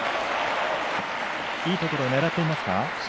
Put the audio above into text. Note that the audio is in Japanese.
いいところ、狙っていますか。